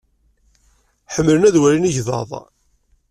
Ḥemmlen ad walin igḍaḍ.